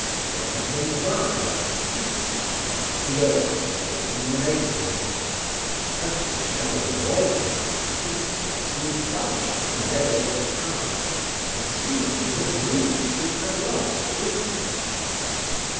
Then came Varia and Ptitsin, who were rusticating in the neighbourhood. As to General Ivolgin, he scarcely budged from Lebedeff's house, and seemed to have moved to Pavlofsk with him.